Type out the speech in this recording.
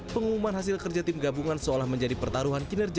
pengumuman hasil kerja tim gabungan seolah menjadi pertaruhan kinerja enam bulan mereka